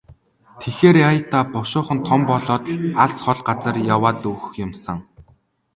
Тэгэхээр яая даа, бушуухан том болоод л алс хол газар яваад өгөх юм сан.